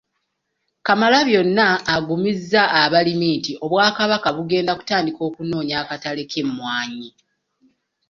Kamalabyonna agumizza abalimi nti Obwakabaka bugenda kutandika okunoonya akatale ky’emmwanyi.